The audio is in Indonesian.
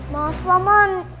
maaf pak man